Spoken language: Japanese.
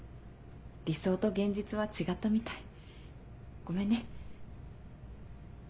理想と現実は違ったみたいごめんね。